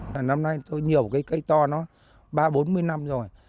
là năm nay tôi nhiều cái cây to nó ba bốn mươi năm rồi